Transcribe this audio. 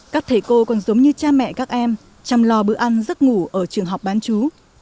các thầy cô còn giống như cha mẹ các em chăm lo bữa ăn giấc ngủ ở trường học bán chú